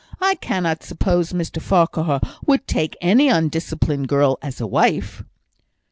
I cannot suppose Mr Farquhar would take any undisciplined girl as a wife."